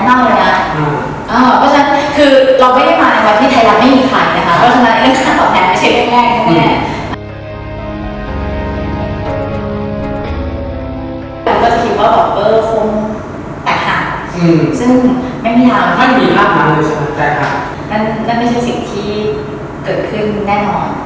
แต่ว่าโอเคถ้าใครจะเดาแบบนี้ก็ได้